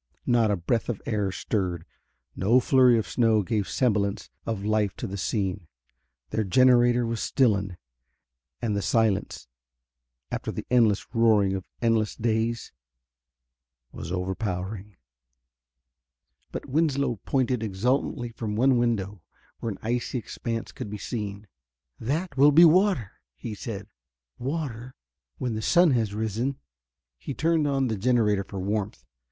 Not a breath of air stirred; no flurry of snow gave semblance of life to the scene. Their generator was stillen, and the silence, after the endless roaring of endless days, was overpowering. But Winslow pointed exultantly from one window, where an icy expanse could be seen. "That will be water," he said; "water, when the sun has risen." He turned on the generator for warmth.